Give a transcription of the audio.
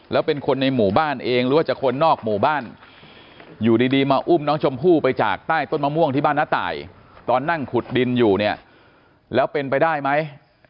แล้วเป็นคนในหมู่บ้านเองหรือว่าจะคนนอกหมู่บ้านอยู่ดีมาอุ้มน้องชมพู่ไปจากใต้ต้นมะม่วงที่บ้านน้าตายตอนนั่งขุดดินอยู่เนี่ยแล้วเป็นไปได้ไหม